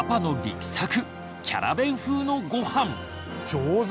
上手！